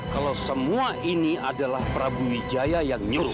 kalau semua ini adalah prabu wijaya yang nyuruh